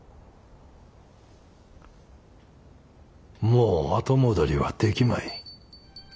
もう後戻りはできまい。